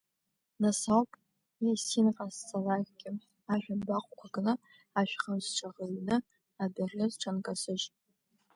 Нас ауп есинҟасҵалакгьы, ашә абаҟәқәа кны, ашәхымс сҽахырҩрны адәахьы сҽанкасыжь.